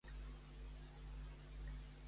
Com solen representar a Ganeix?